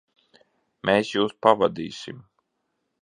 Mēs jūs pavadīsim.